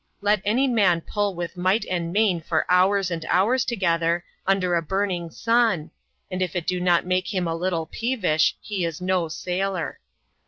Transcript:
Let any man pull with might and main for hours and hours together, under a burning sun ; and if it do not make him a little peevish, he is no sailor.